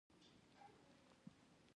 د هرات د موسیلا ګنبد د اسمان په رنګ دی